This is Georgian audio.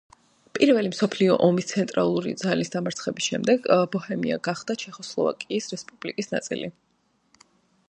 პირველ მსოფლიო ომში ცენტრალური ძალის დამარცხების შემდეგ ბოჰემია გახდა ჩეხოსლოვაკიის რესპუბლიკის ნაწილი.